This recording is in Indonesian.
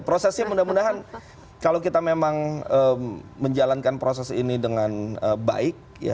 prosesnya mudah mudahan kalau kita memang menjalankan proses ini dengan baik